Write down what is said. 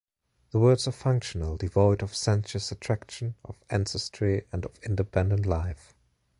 The words are functional, devoid of sensuous attraction, of ancestry, and of independent life.